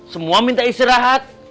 semua minta istirahat